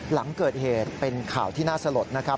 หลังเกิดเหตุเป็นข่าวที่น่าสลดนะครับ